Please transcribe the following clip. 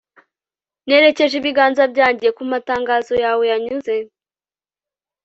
nerekeje ibiganza byanjye ku matangazo yawe yanyuze